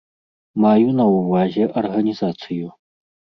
Маю на ўвазе арганізацыю.